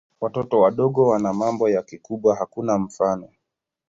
Watoto wadogo wana mambo ya kikubwa hakuna mfano.